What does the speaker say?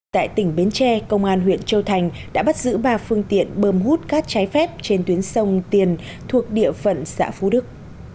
tại tỉnh bến tre công an huyện châu thành đã bắt giữ ba phương tiện bơm hút cát trái phép trên tuyến sông tiền thuộc địa phận xã phú đức